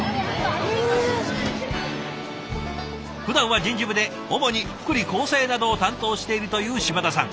ふだんは人事部で主に福利厚生などを担当しているという島田さん。